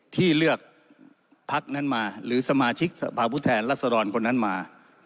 ที่เลือกพักนั้นมาหรือสมาชิกสภาพบุทธแหละสะดอนคนนั้นมา